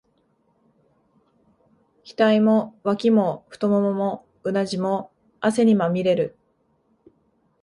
額も、脇も、太腿も、うなじも、汗にまみれる。